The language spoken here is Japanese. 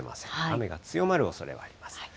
雨が強まるおそれはあります。